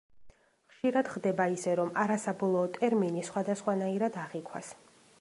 ხშირად ხდება ისე რომ არა საბოლოო ტერმინი სხვადასხვანაირად აღიქვას.